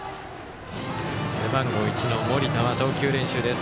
背番号１の盛田は投球練習です。